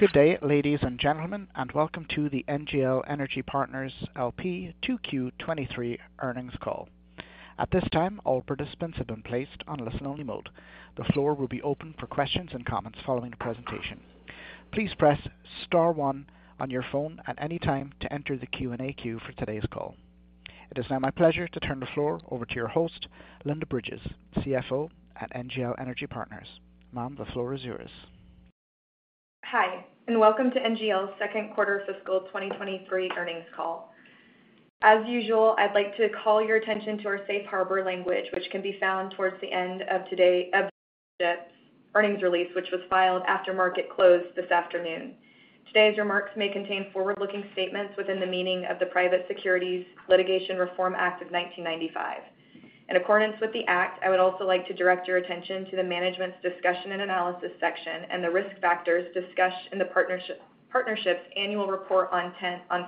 Good day, ladies and gentlemen, and welcome to the NGL Energy Partners LP 2Q 2023 earnings call. At this time, all participants have been placed on listen-only mode. The floor will be open for questions and comments following the presentation. Please press star one on your phone at any time to enter the Q&A queue for today's call. It is now my pleasure to turn the floor over to your host, Linda Bridges, CFO at NGL Energy Partners. Ma'am, the floor is yours. Hi, welcome to NGL's second quarter fiscal 2023 earnings call. As usual, I'd like to call your attention to our safe harbor language, which can be found toward the end of the partnership's earnings release, which was filed after market closed this afternoon. Today's remarks may contain forward-looking statements within the meaning of the Private Securities Litigation Reform Act of 1995. In accordance with the act, I would also like to direct your attention to the Management's Discussion and Analysis section and the Risk Factors discussed in the partnership's annual report on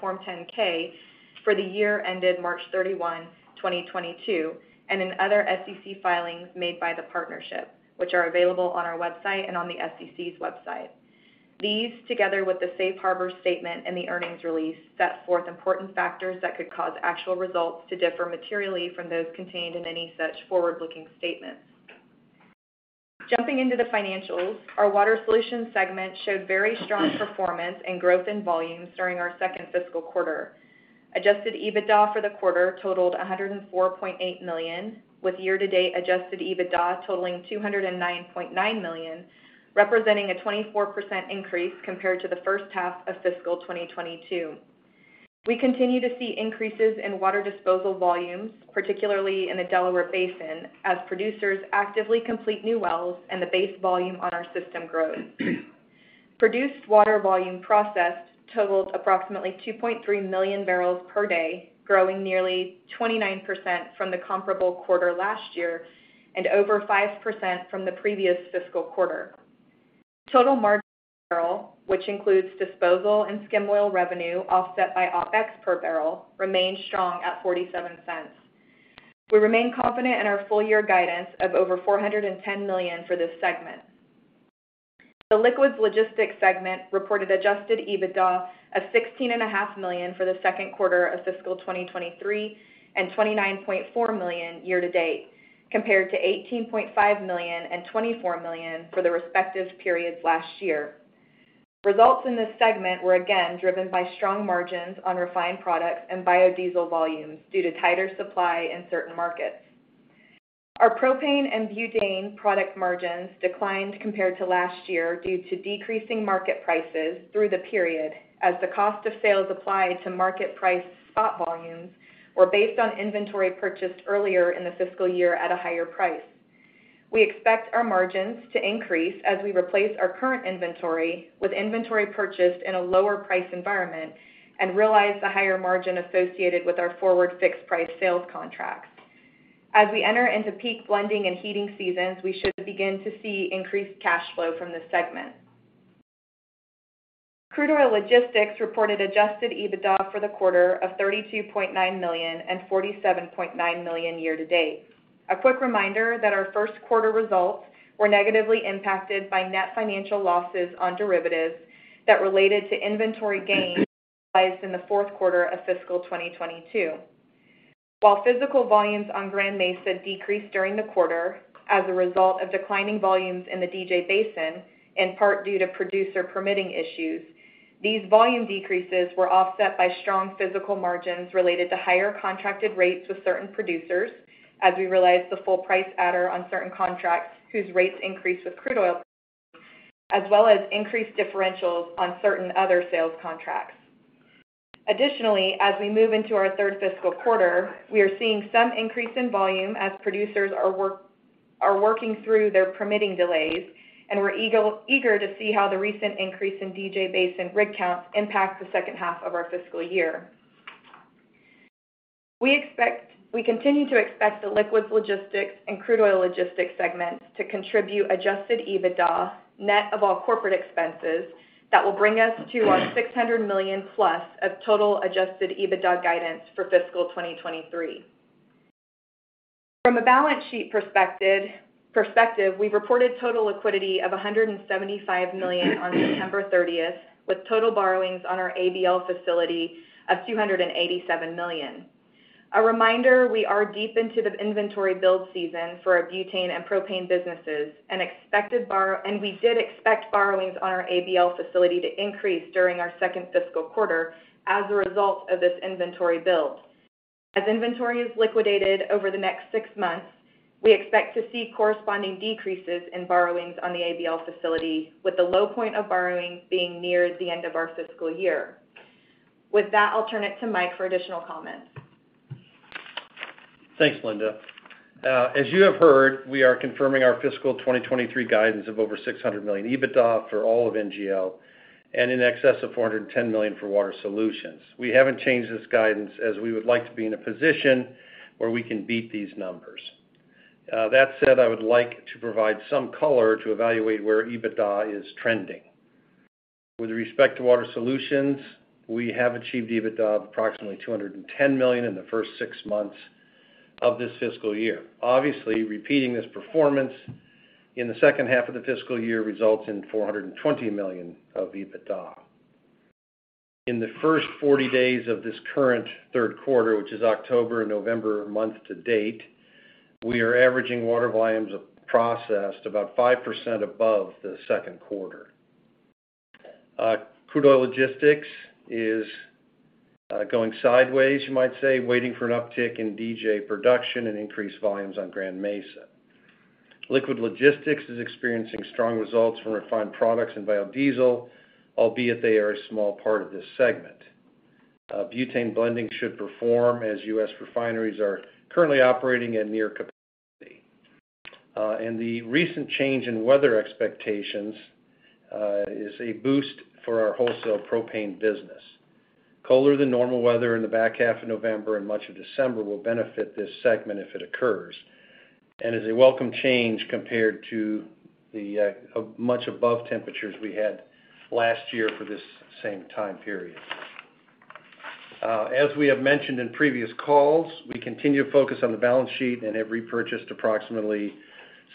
Form 10-K for the year ended March 31, 2022, and in other SEC filings made by the partnership, which are available on our website and on the SEC's website. These, together with the safe harbor statement and the earnings release, set forth important factors that could cause actual results to differ materially from those contained in any such forward-looking statements. Jumping into the financials, our Water Solutions segment showed very strong performance and growth in volumes during our second fiscal quarter. Adjusted EBITDA for the quarter totaled $104.8 million, with year-to-date adjusted EBITDA totaling $209.9 million, representing a 24% increase compared to the first half of fiscal 2022. We continue to see increases in water disposal volumes, particularly in the Delaware Basin, as producers actively complete new wells and the base volume on our system grows. Produced water volume processed totaled approximately 2.3 million barrels per day, growing nearly 29% from the comparable quarter last year and over 5% from the previous fiscal quarter. Total margin per barrel, which includes disposal and skim oil revenue offset by OpEx per barrel, remained strong at $0.47. We remain confident in our full year guidance of over $410 million for this segment. The Liquids Logistics segment reported adjusted EBITDA of $16.5 million for the second quarter of fiscal 2023, and $29.4 million year to date, compared to $18.5 million and $24 million for the respective periods last year. Results in this segment were again driven by strong margins on refined products and biodiesel volumes due to tighter supply in certain markets. Our propane and butane product margins declined compared to last year due to decreasing market prices through the period as the cost of sales applied to market price spot volumes were based on inventory purchased earlier in the fiscal year at a higher price. We expect our margins to increase as we replace our current inventory with inventory purchased in a lower price environment and realize the higher margin associated with our forward fixed-price sales contracts. As we enter into peak blending and heating seasons, we should begin to see increased cash flow from this segment. Crude Oil Logistics reported adjusted EBITDA for the quarter of $32.9 million and $47.9 million year-to-date. A quick reminder that our first quarter results were negatively impacted by net financial losses on derivatives that related to inventory gains realized in the fourth quarter of fiscal 2022. While physical volumes on Grand Mesa decreased during the quarter as a result of declining volumes in the DJ Basin, in part due to producer permitting issues, these volume decreases were offset by strong physical margins related to higher contracted rates with certain producers as we realized the full price adder on certain contracts whose rates increased with crude oil prices, as well as increased differentials on certain other sales contracts. Additionally, as we move into our third fiscal quarter, we are seeing some increase in volume as producers are working through their permitting delays, and we're eager to see how the recent increase in DJ Basin rig counts impact the second half of our fiscal year. We continue to expect the Liquids Logistics and Crude Oil Logistics segments to contribute adjusted EBITDA net of all corporate expenses that will bring us to our $600 million+ of total adjusted EBITDA guidance for fiscal 2023. From a balance sheet perspective, we reported total liquidity of $175 million on September 30, with total borrowings on our ABL facility of $287 million. A reminder, we are deep into the inventory build season for our butane and propane businesses and we did expect borrowings on our ABL facility to increase during our second fiscal quarter as a result of this inventory build. As inventory is liquidated over the next six months, we expect to see corresponding decreases in borrowings on the ABL facility with the low point of borrowings being near the end of our fiscal year. With that, I'll turn it to Mike for additional comments. Thanks, Linda. As you have heard, we are confirming our fiscal 2023 guidance of over $600 million EBITDA for all of NGL and in excess of $410 million for Water Solutions. We haven't changed this guidance as we would like to be in a position where we can beat these numbers. That said, I would like to provide some color to evaluate where EBITDA is trending. With respect to Water Solutions, we have achieved EBITDA of approximately $210 million in the first six months. Of this fiscal year. Obviously, repeating this performance in the second half of the fiscal year results in $420 million of EBITDA. In the first 40 days of this current third quarter, which is October and November month to date, we are averaging water volumes of processed about 5% above the second quarter. Crude Oil Logistics is going sideways, you might say, waiting for an uptick in DJ production and increased volumes on Grand Mesa. Liquids Logistics is experiencing strong results from refined products and biodiesel, albeit they are a small part of this segment. Butane blending should perform as U.S. refineries are currently operating at near capacity. The recent change in weather expectations is a boost for our wholesale propane business. Colder than normal weather in the back half of November and much of December will benefit this segment if it occurs, and is a welcome change compared to the much above temperatures we had last year for this same time period. As we have mentioned in previous calls, we continue to focus on the balance sheet and have repurchased approximately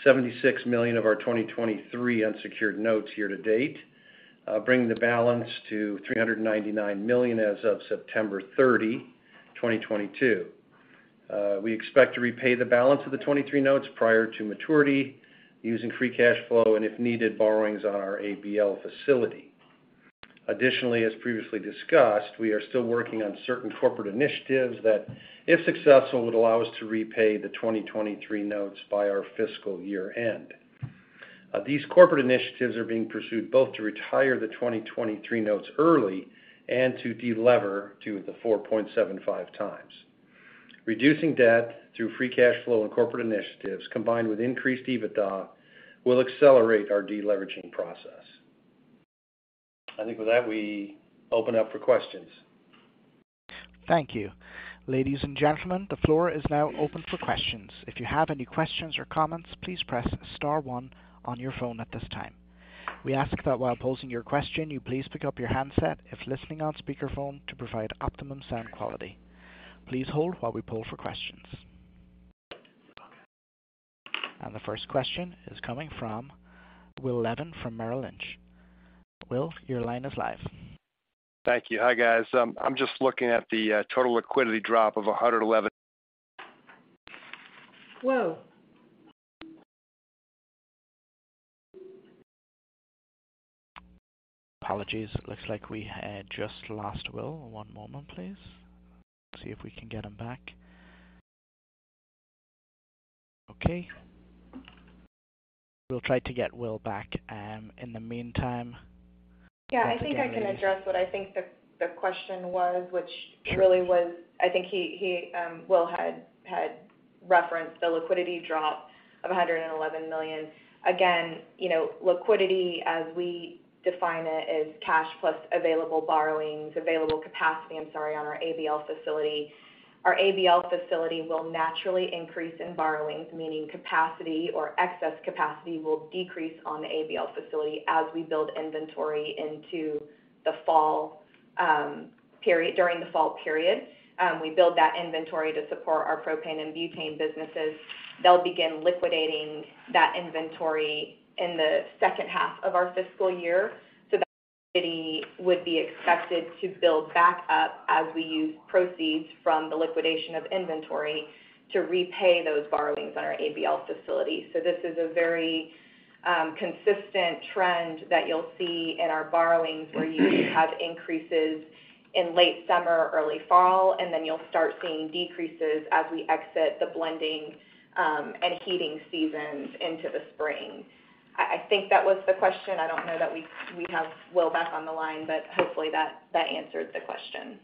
$76 million of our 2023 unsecured notes year to date, bringing the balance to $399 million as of September 30, 2022. We expect to repay the balance of the 2023 notes prior to maturity using free cash flow, and if needed, borrowings on our ABL facility. Additionally, as previously discussed, we are still working on certain corporate initiatives that, if successful, would allow us to repay the 2023 notes by our fiscal year-end. These corporate initiatives are being pursued both to retire the 2023 notes early and to delever to the 4.75x. Reducing debt through free cash flow and corporate initiatives combined with increased EBITDA will accelerate our deleveraging process. I think with that, we open up for questions. Thank you. Ladies and gentlemen, the floor is now open for questions. If you have any questions or comments, please press star one on your phone at this time. We ask that while posing your question, you please pick up your handset if listening on speaker phone to provide optimum sound quality. Please hold while we poll for questions. The first question is coming from Will Levy from Merrill Lynch. Will, your line is live. Thank you. Hi, guys. I'm just looking at the total liquidity drop of $111- Will? Apologies. It looks like we had just lost Will. One moment please. See if we can get him back. Okay. We'll try to get Will back. In the meantime. Yeah. I think I can address what I think the question was, which really was. I think he Will had referenced the liquidity drop of $111 million. Again, you know, liquidity as we define it is cash plus available borrowings, available capacity, I'm sorry, on our ABL facility. Our ABL facility will naturally increase in borrowings, meaning capacity or excess capacity will decrease on the ABL facility as we build inventory into the fall period, during the fall period. We build that inventory to support our propane and butane businesses. They'll begin liquidating that inventory in the second half of our fiscal year. That liquidity would be expected to build back up as we use proceeds from the liquidation of inventory to repay those borrowings on our ABL facility. This is a very consistent trend that you'll see in our borrowings where you have increases in late summer or early fall, and then you'll start seeing decreases as we exit the blending and heating seasons into the spring. I think that was the question. I don't know that we have Will back on the line, but hopefully that answered the question.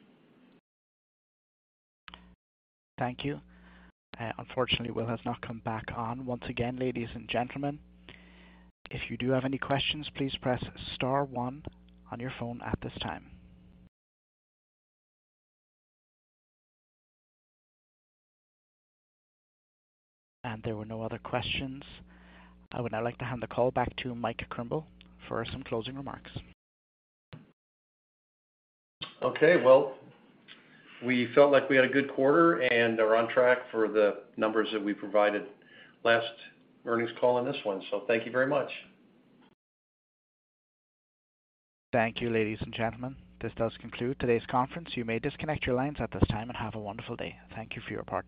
Thank you. Unfortunately, Will has not come back on. Once again, ladies and gentlemen, if you do have any questions, please press star one on your phone at this time. There were no other questions. I would now like to hand the call back to Mike Krimbill for some closing remarks. Okay. Well, we felt like we had a good quarter and are on track for the numbers that we provided last earnings call on this one. Thank you very much. Thank you, ladies and gentlemen. This does conclude today's conference. You may disconnect your lines at this time and have a wonderful day. Thank you for your participation.